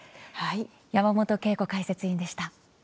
山本恵子解説委員でした。